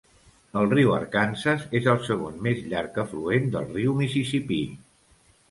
El riu Arkansas és el segon més llarg afluent del riu Mississipí.